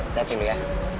nanti dulu ya